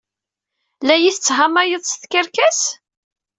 La iyi-tetthamayeḍ s tkerkas?